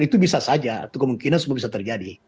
itu bisa saja atau kemungkinan semua bisa terjadi